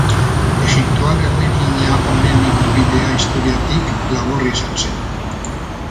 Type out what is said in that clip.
Egiptoar erregina honen ibilbidea historiatik, laburra izan zen.